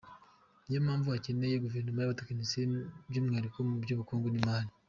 Niyo mpamvu akeneye Guverinoma y’abatekinisiye, by’umwihariko mu bukungu n’imari.